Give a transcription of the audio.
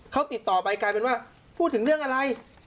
เขาติดต่อไปกลายเป็นว่าพูดถึงเรื่องอะไร